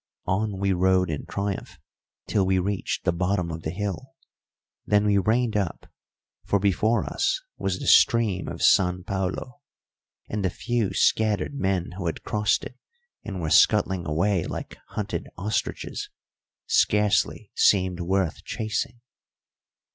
On we rode in triumph till we reached the bottom of the hill, then we reined up, for before us was the stream of San Paulo, and the few scattered men who had crossed it and were scuttling away like hunted ostriches scarcely seemed worth chasing.